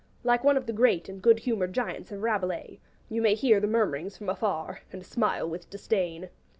Like one of the great and good humoured Giants of Rabelais, you may hear the murmurs from afar, and smile with disdain.